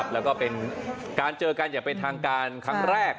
แล้วก็เป็นการเจอกันอย่างเป็นทางการครั้งแรก